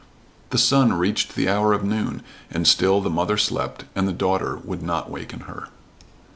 The sun reached the hour of noon, and still the mother slept and the daughter would not waken her.